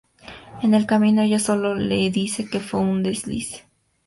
En el camino, ella solo le dice que fue un "desliz".